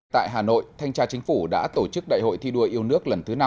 tại hà nội thanh tra chính phủ đã tổ chức đại hội thi đua yêu nước lần thứ năm